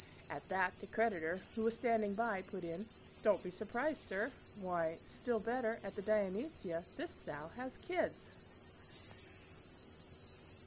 At that the creditor, who was standing by, put in, "Don't be surprised, sir; why, still better, at the Dionysia this Sow has kids!"